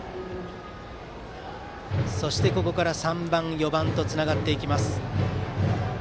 そして、ここから３番、４番とつながっていきます。